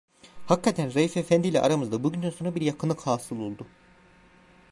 Hakikaten Raif efendiyle aramızda bugünden sonra bir yakınlık hâsıl oldu.